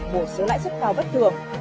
bổ xuống lãi suất cao bất thường